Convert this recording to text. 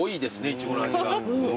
イチゴの味が。